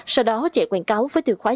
sau đó chạy quảng cáo với từ khóa giảm